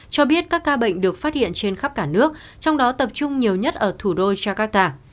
cho biết các ca bệnh được phát hiện trên khắp cả nước trong đó tập trung nhiều nhất ở thủ đô jakarta